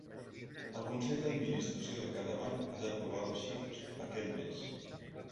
El consell d’administració de cada banc ha d’aprovar les xifres aquest mes.